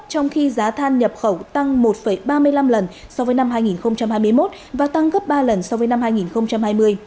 trong khi giá than nhập khẩu tăng một ba mươi năm lần so với năm hai nghìn hai mươi một và tăng gấp ba lần so với năm hai nghìn hai mươi